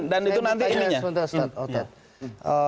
dan itu nanti ininya